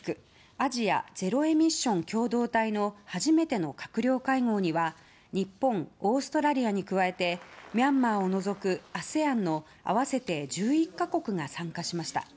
・アジアゼロエミッション共同体の初めての閣僚会合には日本、オーストラリアに加えてミャンマーを除くＡＳＥＡＮの合わせて１１か国が参加しました。